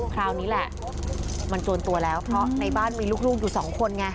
คราวนี้แหละมันจวนตัวแล้วเพราะในบ้านมีลูกอยู่สองคนไง